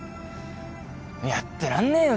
やってらんねえよ